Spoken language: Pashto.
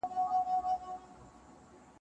دا وطن د خدای د مینې کرونده ده